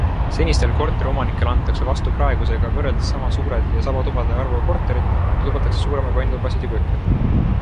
Senistele korteriomanikele antakse vastu praegusega võrreldes sama suured ja sama tubade arvuga korterid, kuid lubatakse suuremaid vannitubasid ja kööke.